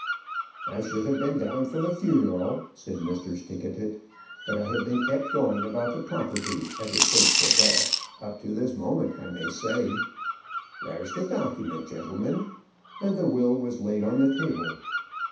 "I should have been down for the funeral," said Mr. Stickatit; "but I have been kept going about the property, ever since the death, up to this moment, I may say. There's the document, gentlemen." And the will was laid on the table.